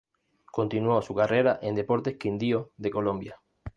Continuó su carrera en Deportes Quindío de Colombia.